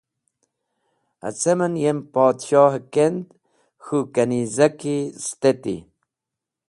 Acem en yem podsho-e kend k̃hũ kanizeki steti.